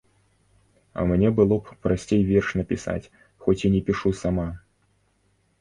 Мне было б прасцей верш напісаць, хоць і не пішу сама.